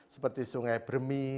seperti sungai bermi